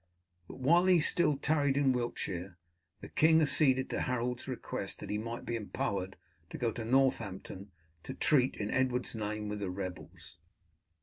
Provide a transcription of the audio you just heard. But while he still tarried in Wiltshire the king acceded to Harold's request that he might be empowered to go to Northampton to treat in Edward's name with the rebels.